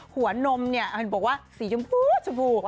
นมเนี่ยเห็นบอกว่าสีชมพูชมพู